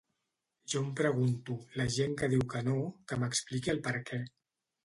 Jo em pregunto: la gent que diu que no, que m’expliqui el perquè.